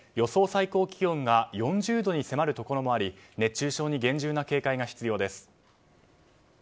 最高気温が４０度に迫るところもあり熱中症に厳重な警戒が必要です。